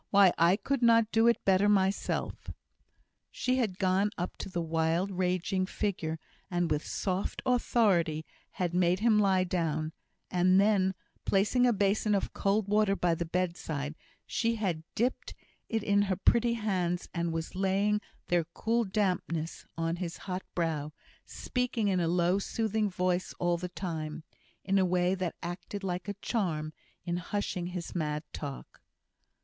Why, I could not do it better myself!" She had gone up to the wild, raging figure, and with soft authority had made him lie down: and then, placing a basin of cold water by the bedside, she had dipped in it her pretty hands, and was laying their cool dampness on his hot brow, speaking in a low soothing voice all the time, in a way that acted like a charm in hushing his mad talk.